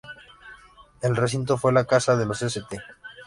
El recinto fue la casa de los St.